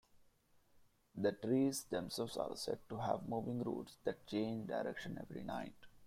The trees themselves are said to have moving roots that change direction every night.